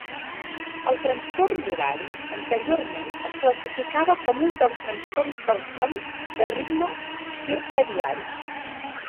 El trastorn d'horari anteriorment es classificava com un dels trastorns del son de ritme circadiari.